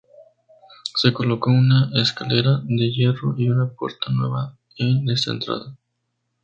Se colocó una escalera de hierro y una puerta nueva en esta entrada.